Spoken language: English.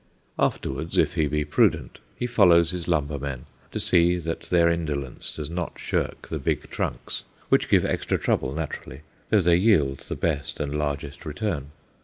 Afterwards, if he be prudent, he follows his lumber men, to see that their indolence does not shirk the big trunks which give extra trouble naturally, though they yield the best and largest return.